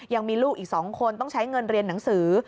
ยังมีลูกอีก๒คนต้องใช้เงินเรียนหนังสือ